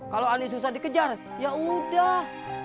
kalau anies susah dikejar ya udah